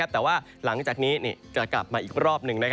แต่ว่าหลังจากนี้จะกลับมาอีกรอบหนึ่ง